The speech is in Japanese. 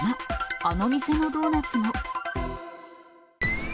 あの店のドーナツも。